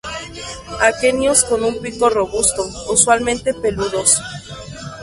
Aquenios con un pico robusto, usualmente peludos.